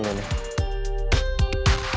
apakah pandemik valia